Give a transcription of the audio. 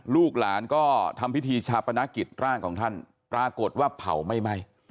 ลูกหลานก็ทำพิธีชาปนกิจร่างของท่านปรากฏว่าเผาไม่ไหม้